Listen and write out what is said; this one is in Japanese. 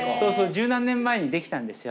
１０何年前にできたんですよ